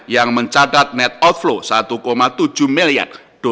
yang mencatat net off law rp satu tujuh miliar